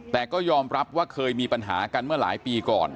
แต่ก็ยอมรับว่าเคยมีปัญหากันเมื่อหลายปีก่อน